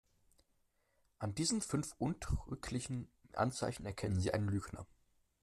An diesen fünf untrüglichen Anzeichen erkennen Sie einen Lügner.